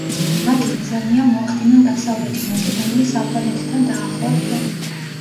მათი მიზანია მოახდინონ დასავლეთი მაკედონიის ალბანეთთან დაახლოება.